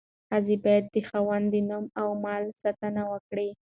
ښځه باید د خاوند د نوم او مال ساتنه وکړي.